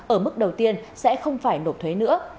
ở mức đầu tiên sẽ không phải nộp thuế nữa